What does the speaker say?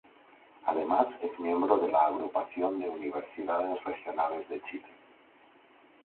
Además es miembro de la Agrupación de Universidades Regionales de Chile.